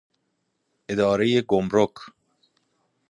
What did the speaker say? اداره گمرک